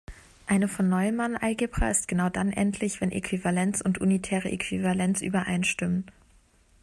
Eine Von-Neumann-Algebra ist genau dann endlich, wenn Äquivalenz und unitäre Äquivalenz übereinstimmen.